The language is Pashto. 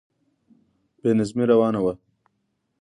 بې نظمی روانه وه.